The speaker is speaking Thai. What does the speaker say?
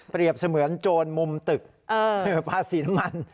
เปรียบเสมือนโจรมุมตึกเพื่อภาษีน้ำมัน